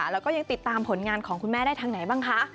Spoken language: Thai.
แล้วก็ยังติดตามผลงานของคุณแม่ได้ทางไหนบ้างคะ